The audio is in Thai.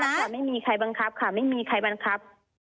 แต่ไม่มีใครบังคับค่ะไม่มีใครบังคับ